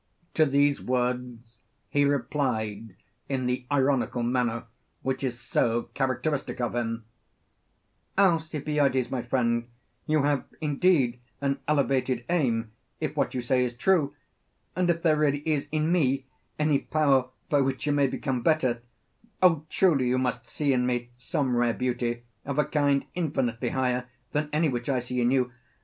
To these words he replied in the ironical manner which is so characteristic of him: 'Alcibiades, my friend, you have indeed an elevated aim if what you say is true, and if there really is in me any power by which you may become better; truly you must see in me some rare beauty of a kind infinitely higher than any which I see in you.